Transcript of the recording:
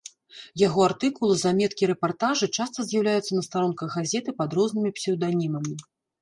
Яго артыкулы, заметкі, рэпартажы часта з'яўляліся на старонках газеты пад рознымі псеўданімамі.